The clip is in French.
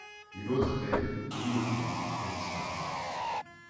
Une autre aile et une tour ont disparu.